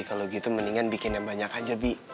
kalau gitu mendingan bikin yang banyak aja bi